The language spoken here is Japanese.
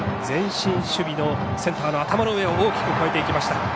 前進守備のセンターの頭の上を大きく越えていきました。